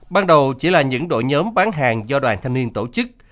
ban đầu chỉ là những đội nhóm bán hàng do đoàn thanh niên tổ chức